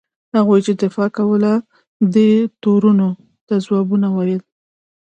هغوی چې دفاع کوله دې تورونو ته ځوابونه وویل.